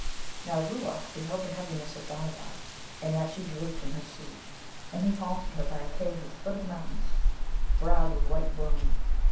Now, Ruark beheld the heaviness of Bhanavar, and that she drooped in her seat, and he halted her by a cave at the foot of the mountains, browed with white broom.